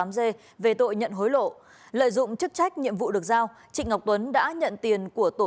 ba nghìn sáu trăm linh tám g về tội nhận hối lộ lợi dụng chức trách nhiệm vụ được giao chị ngọc tuấn đã nhận tiền của tổ